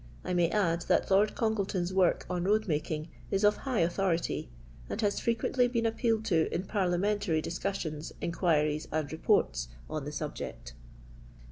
I may add that Lord Congleton*sworkon road making is of high anthority, and has frequently been appealed to in parliamentary discussions, inquiries, and reporta on the subject.